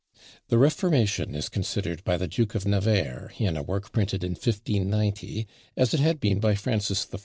The Reformation is considered by the Duke of Nevers, in a work printed in 1590, as it had been by Francis I.